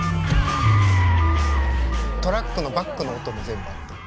トラックのバックの音も全部合ってる。